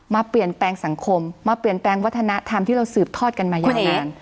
มาเปลี่ยนแปลงสังคมมาเปลี่ยนแปลงวัฒนธรรมที่เราสืบทอดกันมายาวนาน